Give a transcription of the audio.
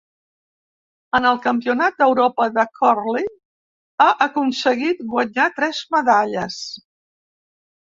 En el Campionat d'Europa de cúrling ha aconseguit guanyar tres medalles.